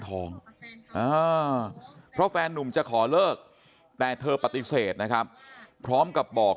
ท้องเพราะแฟนนุ่มจะขอเลิกแต่เธอปฏิเสธนะครับพร้อมกับบอก